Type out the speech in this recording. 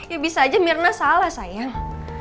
ya bisa aja mirna salah sayang